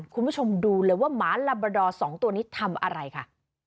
คุณผู้ชมดูเลยว่าหมาลาบาดอร์๒ตัวนี้ทำอะไรค่ะ